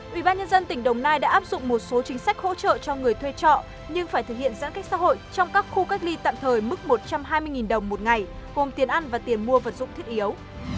ubnd tỉnh đồng nai đã áp dụng một số chính sách hỗ trợ cho người thuê trọ nhưng phải thực hiện giãn cách xã hội trong các khu cách ly tạm thời mức một trăm hai mươi đồng một ngày gồm tiền ăn và tiền mua vật dụng thiết yếu